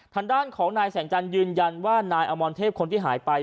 ทางด้านของนายแสงจันทร์ยืนยันว่านายอมรเทพคนที่หายไป